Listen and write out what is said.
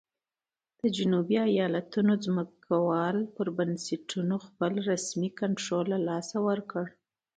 د جنوبي ایالتونو ځمکوالو پر بنسټونو خپل رسمي کنټرول له لاسه ورکړ.